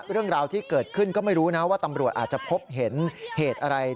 เรื่องราวที่เกิดขึ้นก็ไม่รู้นะว่าตำรวจอาจจะพบเห็นเหตุอะไร